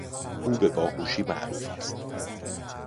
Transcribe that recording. او به باهوشی معروف است.